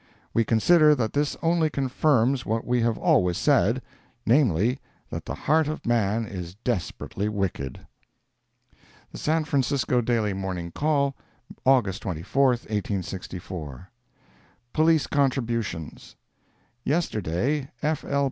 We consider that this only confirms what we have always said—namely, that the heart of man is desperately wicked. The San Francisco Daily Morning Call, August 24, 1864 POLICE CONTRIBUTIONS Yesterday, F. L.